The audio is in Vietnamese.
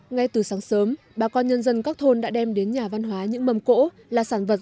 ngay từ sáng sớm bà con nhân dân các thôn đã đem đến nhà văn hóa những mầm cỗ là sản vật